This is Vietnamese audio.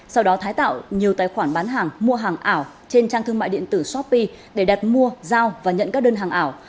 sau đó thái tạo nhiều tài khoản bán hàng mua hàng ảo trên trang thương mại điện tử shopee để đặt mua giao và nhận các đơn hàng ảo